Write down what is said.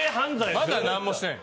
まだ何もしてない。